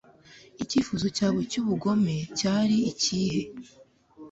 Icyifuzo cyawe cyubugome cyari ikihe